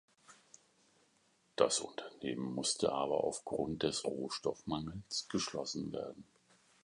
Das Unternehmen musste aber auf Grund des Rohstoffmangels geschlossen werden.